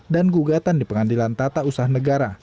dan gugatan di pengadilan tata usaha negara